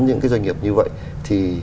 những doanh nghiệp như vậy thì